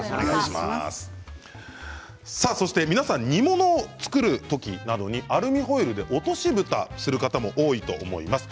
皆さん煮物を作る時などにアルミホイルで落としぶたをする方も多いと思います。